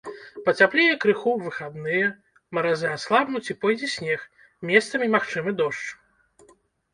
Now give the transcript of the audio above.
Пацяплее крыху ў выхадныя, маразы аслабнуць і пойдзе снег, месцамі магчымы дождж.